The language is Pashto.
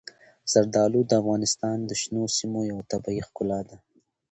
زردالو د افغانستان د شنو سیمو یوه طبیعي ښکلا ده.